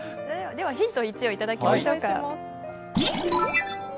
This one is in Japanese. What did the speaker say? ではヒント１をいただきましょうか。